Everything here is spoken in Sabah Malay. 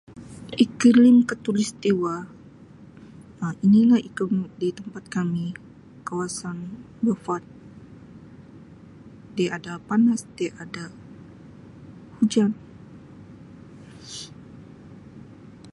Iklim Khatulistiwa Um inilah iklim di tempat kami kawasan Beaufort di hadapan mesti ada hujan.